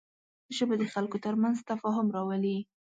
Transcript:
ژبه د خلکو تر منځ تفاهم راولي